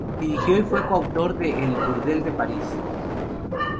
Dirigió y fue co-autor de "El burdel de París".